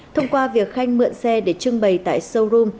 thông qua việc khanh mượn xe để trưng bày tại showroom